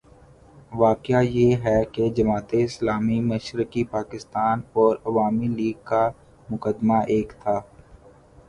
واقعہ یہ ہے کہ جماعت اسلامی مشرقی پاکستان اور عوامی لیگ کا مقدمہ ایک تھا۔